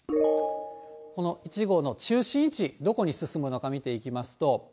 この１号の中心位置、どこに進むのか、見ていきますと。